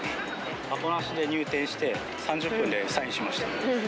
アポなしで入店して３０分でサインしました。